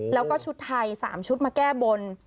แล้วก็ชุดไทย๓ชุดมาแก้บน